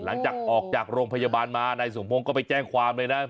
หลังจากออกจากโรงพยาบาลมานายสมพงศ์ก็ไปแจ้งความเลยนะ